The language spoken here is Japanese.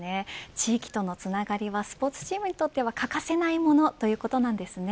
地域とのつながりはスポーツチームにとっては欠かせないものということですね。